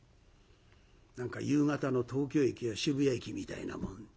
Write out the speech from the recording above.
何か夕方の東京駅や渋谷駅みたいなもん。